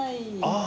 ああ！